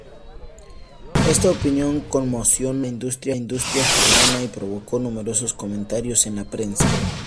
Esta opinión conmocionó a la industria germana y provocó numerosos comentarios en la prensa.